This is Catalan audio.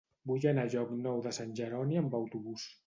Vull anar a Llocnou de Sant Jeroni amb autobús.